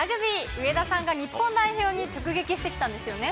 上田さんが日本代表に直撃してきたんですよね。